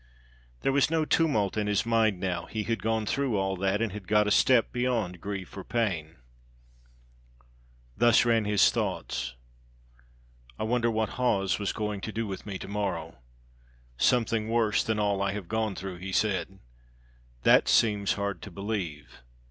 There was no tumult in his mind now; he had gone through all that, and had got a step beyond grief or pain. Thus ran his thoughts: "I wonder what Hawes was going to do with me to morrow. Something worse than all I have gone through, he said. That seems hard to believe.